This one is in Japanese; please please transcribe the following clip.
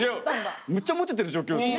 むっちゃモテてる状況ですよね？